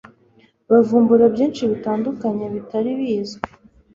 bavumbura byinshi bitandukanye bitari bizwi